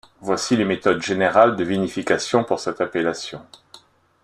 Voici les méthodes générales de vinification pour cette appellation.